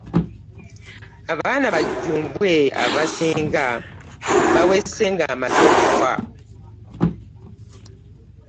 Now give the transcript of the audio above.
Abaana ba Jombwe abasinga babeese amaze kufa.